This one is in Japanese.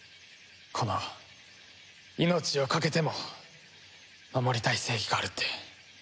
この命をかけても守りたい正義があるって。